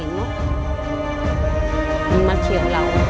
ตอนนั้นก็หลบเลย